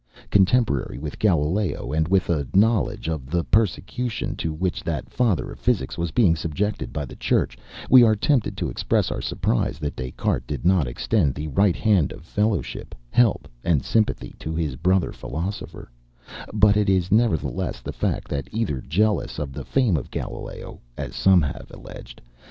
Contemporary with Galileo, and with a knowledge of the persecution to which that father of physics was being subjected by the Church, we are tempted to express our surprise that Des Cartes did not extend the right hand of fellowship, help, and sympathy to his brother philosopher; but it is, nevertheless, the fact, that either jealous of the fame of Galileo (as some have alleged.)